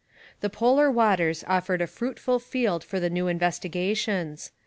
The polar waters offered a fruitful field for the new investigations.